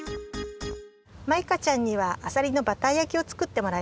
マイカちゃんにはあさりのバター焼きをつくってもらいます。